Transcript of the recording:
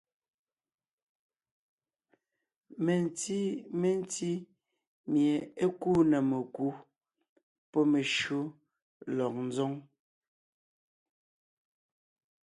Menti mentí mie é kúu na mekú pɔ́ meshÿó lélɔg ńzoŋ.